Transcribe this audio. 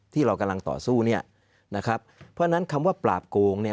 ที่เรากำลังต่อสู้เนี่ยนะครับเพราะฉะนั้นคำว่าปราบโกงเนี่ย